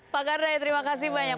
pak gardaya terima kasih banyak